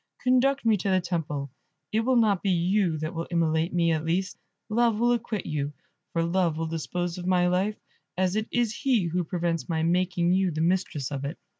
Conduct me to the temple, it will not be you that will immolate me, at least; Love will acquit you, for Love will dispose of my life, as it is he who prevents my making you the mistress of it."